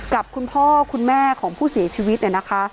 กับคุณพ่อคุณแม่ของผู้เสียชีวิตนะคะ